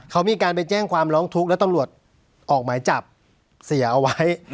เขามีการไปแจ้งความร้องทุกข์แล้วตำรวจออกหมายจับเสียเอาไว้